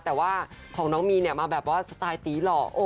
แต่ว่าของน้องมีนเนี่ยมาแบบว่าสไตล์ตีหล่อ